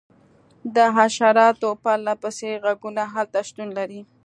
د حشراتو پرله پسې غږونه هلته شتون لري